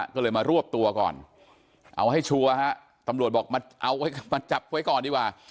ก็เลยมารวบตัวก่อนเอาให้ชัวร์ฮะตำรวจบอกมาเอาไว้มาจับไว้ก่อนดีกว่า